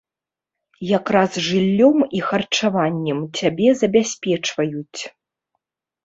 Якраз жыллём і харчаваннем цябе забяспечваюць.